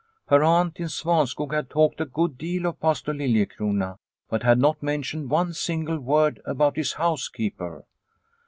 Her aunt in Svanskog had talked a good deal of Pastor Liliecrona, but had not mentioned one single word about his housekeeper.